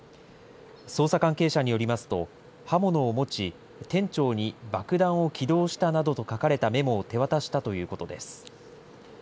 捜査関係者によりますと、刃物を持ち、店長に爆弾を起動したなどと書かれたメモを手渡したということです。